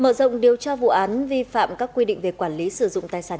mở rộng điều tra vụ án vi phạm các quy định về quản lý sử dụng tài sản